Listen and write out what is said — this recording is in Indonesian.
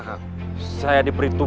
banga nari rati